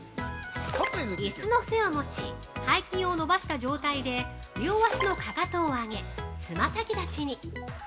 椅子の背を持ち、背筋を伸ばした状態で両足のかかとを上げ、爪先立ちに。